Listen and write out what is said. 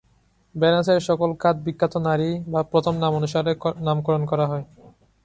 ভেনাসের সকল খাদ বিখ্যাত নারী বা প্রথম নাম অনুসারে নামকরণ করা হয়।